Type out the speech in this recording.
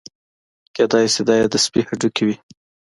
کېدای شي دا یې د سپي هډوکي وي.